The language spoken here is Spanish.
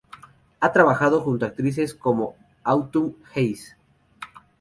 Ha trabajado junto a actrices como Autumn Haze.